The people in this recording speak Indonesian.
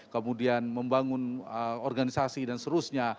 kemudian membangun organisasi dan seterusnya